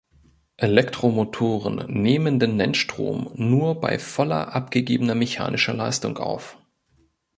Elektromotoren nehmen den Nennstrom nur bei voller abgegebener mechanischer Leistung auf.